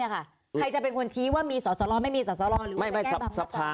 ใครจะเป็นคนชี้ว่ามีศาลสลมั้นมีศาลสล